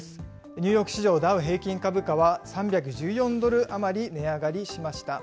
ニューヨーク市場ダウ平均株価は、３１４ドル余り値上がりしました。